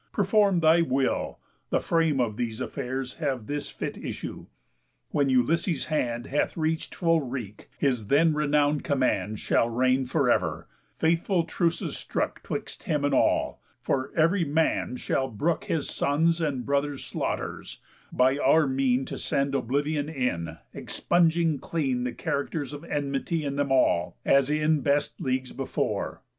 Perform thy will; the frame of these affairs Have this fit issue: When Ulysses' hand Hath reach'd full wreak, his then renown'd command Shall reign for ever, faithful truces strook 'Twixt him and all; for ev'ry man shall brook His sons' and brothers' slaughters; by our mean To send Oblivion in, expunging clean The character of enmity in them all, As in best leagues before.